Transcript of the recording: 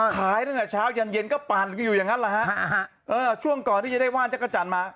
ขายตั้งแต่เช้ายานเย็นก็ปั่นอยู่อย่างนั้นละฮะช่วงก่อนที่จะได้ว่านจะกระจ่านมา